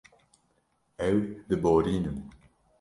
Ew diborînin.